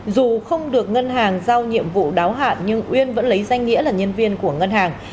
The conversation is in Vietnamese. dù không được ngân hàng giao nhiệm vụ đáo hạn nhưng uyên vẫn lấy danh nghĩa là nhân viên của ngân hàng